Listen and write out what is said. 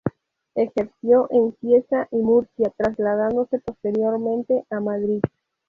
Ejerció en Cieza y Murcia, trasladándose posteriormente a Madrid.